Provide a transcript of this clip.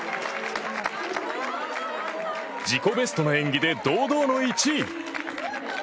自己ベストの演技で堂々の１位。